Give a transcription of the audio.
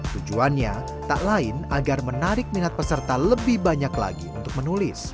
tujuannya tak lain agar menarik minat peserta lebih banyak lagi untuk menulis